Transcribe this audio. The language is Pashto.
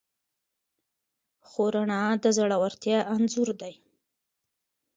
خو رڼا د زړورتیا انځور دی.